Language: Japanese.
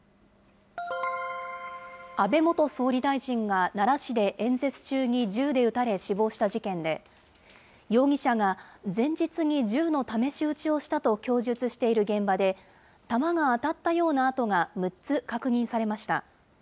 安倍元総理大臣が奈良市で演説中に銃で撃たれ、死亡した事件で、容疑者が前日に銃の試し撃ちをしたと供述している現場で、弾が当たったような痕が６つ確認されました。